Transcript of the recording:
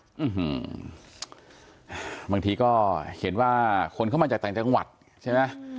อืมบางทีก็เห็นว่าคนเข้ามาจากต่างจังหวัดใช่ไหม